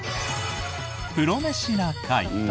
「プロメシな会」。